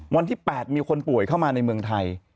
วันที่๘มีคนป่วยเข้ามาในเมืองไทย